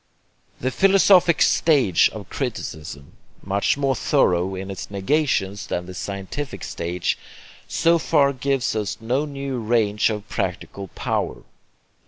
The philosophic stage of criticism, much more thorough in its negations than the scientific stage, so far gives us no new range of practical power.